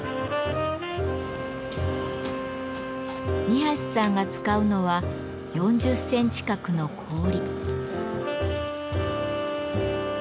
二さんが使うのは４０センチ角の氷。